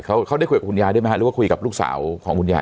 เขาเขาได้คุยกับคุณยายด้วยไหมฮะหรือว่าคุยกับลูกสาวของคุณยาย